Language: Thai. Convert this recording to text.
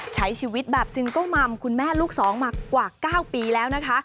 ใช้ชีวิตแบบซึงโก้ม่ำคุณแม่ลูก๒มากว่า๙ปีแล้วนะคะ